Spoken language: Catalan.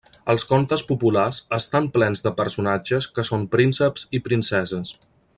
Els contes populars estan plens de personatges que són prínceps i princeses.